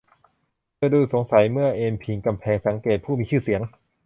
เธอดูสงสัยเมื่อเอนพิงกำแพงสังเกตผู้มีชื่อเสียง